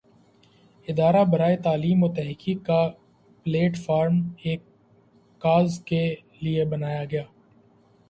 ادارہ برائے تعلیم وتحقیق کا پلیٹ فارم اس کاز کے لئے بنایا گیا۔